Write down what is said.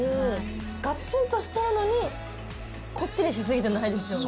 がつんとしてるのにこってりしすぎてないですよね。